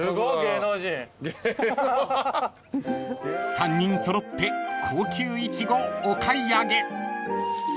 ［３人揃って高級イチゴお買い上げ］